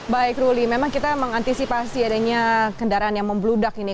baik ruli memang kita mengantisipasi adanya kendaraan yang membludak ini